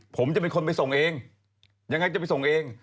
ผมจะเป็นคนไปส่งเองยังไงจะไปส่งเอง